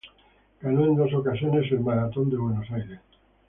Ganó en dos ocasiones el maratón de Buenos Aires.